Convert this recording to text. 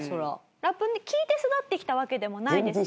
ラップ聴いて育ってきたわけでもないですよね？